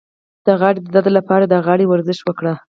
د غاړې د درد لپاره د غاړې ورزش وکړئ